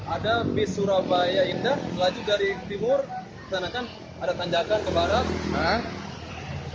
ada bus surabaya indah laju dari timur ada tanjakan ke barat